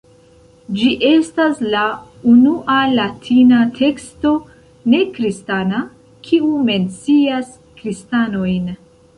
Ĝi estas la unua Latina teksto ne-kristana, kiu mencias kristanojn.